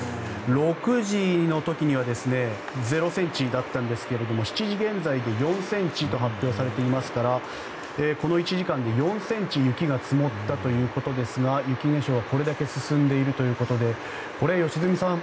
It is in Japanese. ６時の時には０ｃｍだったんですが７時現在で４ｃｍと発表されていますからこの１時間で４ｃｍ雪が積もったということですが雪化粧はこれだけ進んでいるということでこれ良純さん